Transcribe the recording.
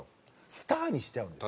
スターにしちゃうんです。